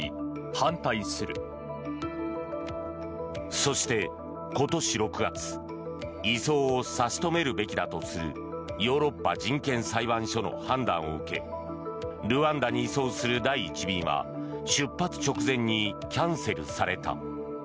そして今年６月移送を差し止めるべきだとするヨーロッパ人権裁判所の判断を受けルワンダに移送する第１便は出発直前にキャンセルされた。